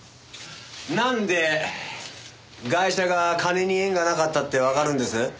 なんでガイシャが金に縁がなかったってわかるんです？